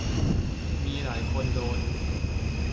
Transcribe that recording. มีหลายคนโดน